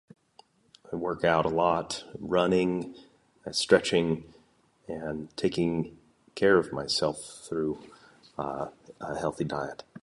I workout a lot, running, stretching, and taking care of myself through a healthy diet